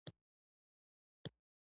ګلان د طبیعت موسيقي ده.